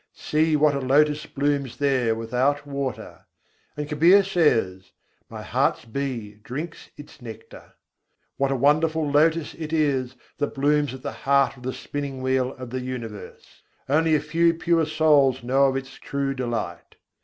See what a lotus blooms there without water! and Kabîr says "My heart's bee drinks its nectar." What a wonderful lotus it is, that blooms at the heart of the spinning wheel of the universe! Only a few pure souls know of its true delight.